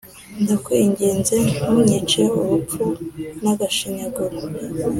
ndakwiginze ntunyice urupfu n’agashinyaguro”